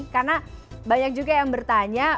karena banyak juga yang bertanya